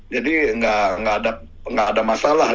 jadi gak ada masalah